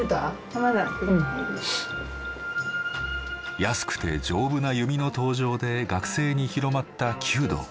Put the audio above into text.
まだ。安くて丈夫な弓の登場で学生に広まった弓道。